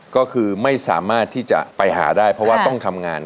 ก็คือไม่สามารถที่จะไปหาได้เพราะว่าต้องทำงาน